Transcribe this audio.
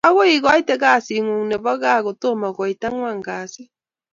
Akoi ikoite kasit ngung nebo gaa kotomo koit ko angwani kasiit